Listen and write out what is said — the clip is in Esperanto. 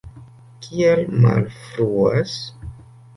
Kial malfruas?